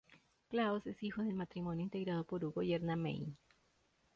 Klaus es hijo del matrimonio integrado por Hugo y Erna Meine.